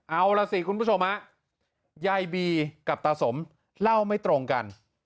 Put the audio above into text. เอาล่ะสิคุณผู้ชมฮะยายบีกับตาสมเล่าไม่ตรงกัน